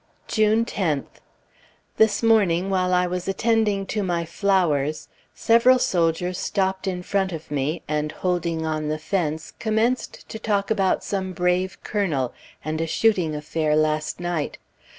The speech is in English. June 10th. This morning while I was attending to my flowers ... several soldiers stopped in front of me, and holding on the fence, commenced to talk about some brave Colonel, and a shooting affair last night.